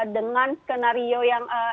dengan skenario yang